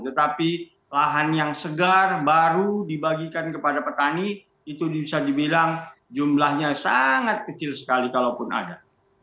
tetapi lahan yang segar baru dibagikan kepada petani itu bisa dibilang jumlahnya sangat kecil sekali kalaupun ada